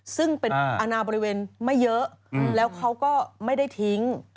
ซึ่งเป็นอนาบริเวณไม่เยอะแล้วเขาก็ไม่ได้ทิ้ง